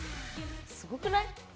すごくない？